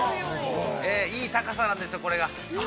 いい高さなんですよ、これ。